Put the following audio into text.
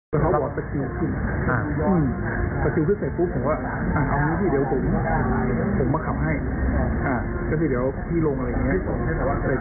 ผมก็ลงเสร็จปุ๊บเขาเหยียบไปเลย